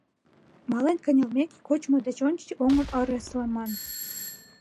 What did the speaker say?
Мален кынелмеке, кочмо деч ончыч оҥым ыреслымн.